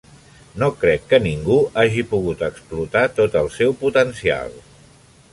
No crec que ningú hagi pogut explotar tot el seu potencial.